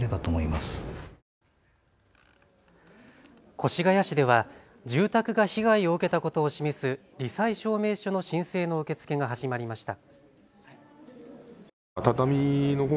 越谷市では住宅が被害を受けたことを示すり災証明書の申請の受け付けが始まりました。